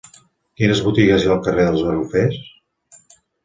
Quines botigues hi ha al carrer dels Garrofers?